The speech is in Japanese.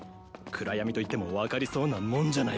暗闇といっても分かりそうなもんじゃないか。